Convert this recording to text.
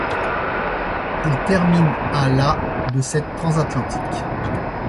Il termine à la de cette transatlantique.